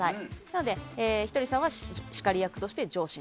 なのでひとりさんは叱り役として上司。